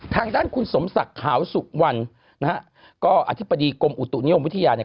ทางด้านคุณสมศักดิ์ขาวสุวรรณนะฮะก็อธิบดีกรมอุตุนิยมวิทยาเนี่ย